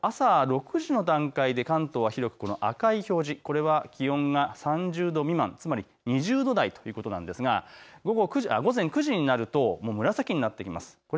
朝６時の段階で関東は広く赤い表示、これは気温が３０度未満、つまり２０度台ということなんですが、午前９時になると紫になってきます。